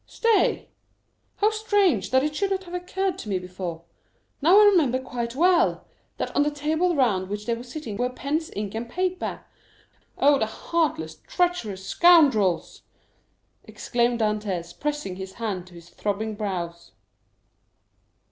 —stay!—How strange that it should not have occurred to me before! Now I remember quite well, that on the table round which they were sitting were pens, ink, and paper. Oh, the heartless, treacherous scoundrels!" exclaimed Dantès, pressing his hand to his throbbing brows.